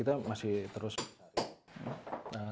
tenaga kerja yang